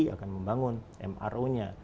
akan membangun mro nya